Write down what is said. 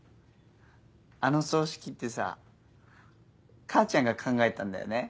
あの葬式ってさ母ちゃんが考えたんだよね？